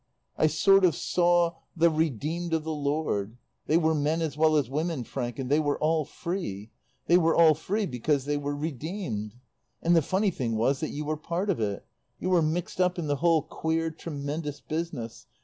"I sort of saw the redeemed of the Lord. They were men, as well as women, Frank. And they were all free. They were all free because they were redeemed. And the funny thing was that you were part of it. You were mixed up in the whole queer, tremendous business.